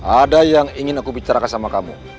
ada yang ingin aku bicarakan sama kamu